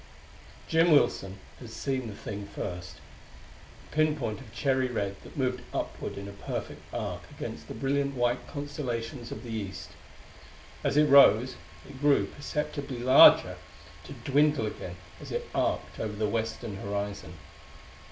Jim Wilson had seen the thing first a pinpoint of cherry red that moved upward in a perfect arc against the brilliant white constellations of the east. As it rose, it grew perceptibly larger, to dwindle again as it arced over the western horizon.